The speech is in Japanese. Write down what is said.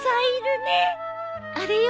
あれよ。